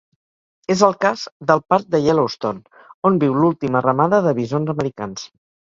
És el cas del parc de Yellowstone, on viu l'última ramada de bisons americans.